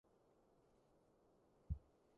個海好似玻璃噉清